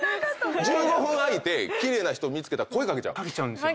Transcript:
１５分空いて奇麗な人を見つけたら声掛けちゃう⁉掛けちゃうんですよ。